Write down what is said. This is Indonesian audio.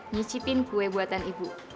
nyicipin kue buatan ibu